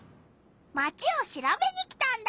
マチをしらべに来たんだ！